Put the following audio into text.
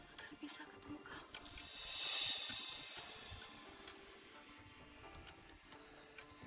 agar bisa ketemu kamu